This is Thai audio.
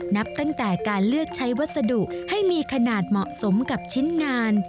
นับตั้งแต่การเลือกใช้วัสดุให้มีขนาดเหมาะสมกับชิ้นงาน